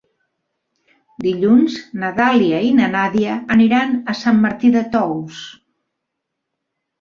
Dilluns na Dàlia i na Nàdia aniran a Sant Martí de Tous.